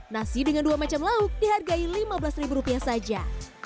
nasi dengan dua macam lauk dihargai lima belas ribu rupiah saja